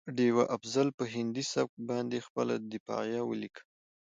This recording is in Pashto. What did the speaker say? ډيوه افضل په هندي سبک باندې خپله دفاعیه ولیکه